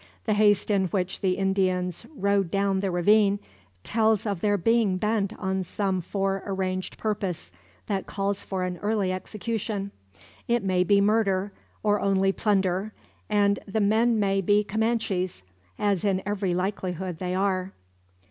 The haste in which the Indians rode down the ravine tells of their being bent on some fore arranged purpose that calls for early execution. It may be murder, or only plunder; and the men may be Comanches as in every likelihood they are.